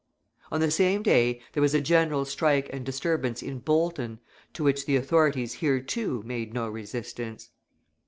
On the same day there was a general strike and disturbance in Bolton, to which the authorities here, too, made no resistance.